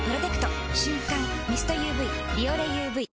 瞬感ミストＵＶ「ビオレＵＶ」